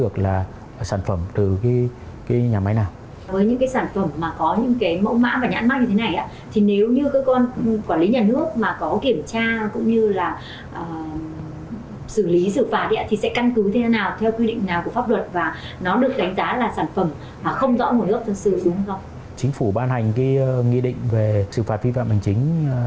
chính phủ ban hành cái nghị định về xử phạt phi phạm hành chính